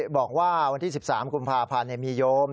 บอกว่าวันที่๑๓กุมภาพันธ์มีโยม